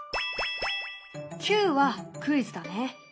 「Ｑ」はクイズだね。